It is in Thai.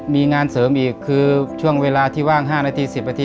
มีงานเสริมอีกคือช่วงเวลาที่ว่าง๕นาที๑๐นาที